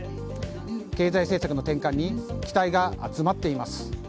経済政策の転換に期待が集まっています。